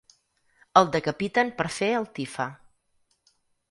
El decapiten per fer el tifa.